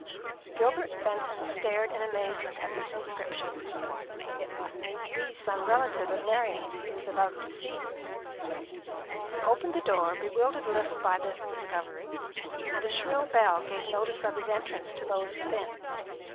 Gilbert Fenton stared in amazement at this inscription. It must needs be some relative of Marian's he was about to see. He opened the door, bewildered a little by this discovery, and a shrill bell gave notice of his entrance to those within.